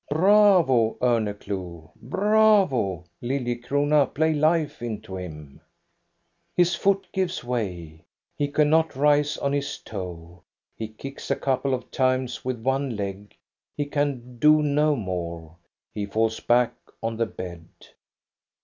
"Bravo, Orneclou! Bravo, Lilliecrona, play life into him !" His foot gives way ; he cannot rise on his toe. He kicks a couple of times with one leg ; he can do no more, he falls back on the bed.